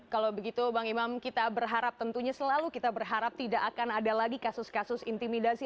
kalau begitu bang imam kita berharap tentunya selalu kita berharap tidak akan ada lagi kasus kasus intimidasi